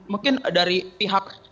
mungkin dari pihak